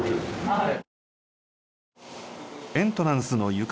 はい。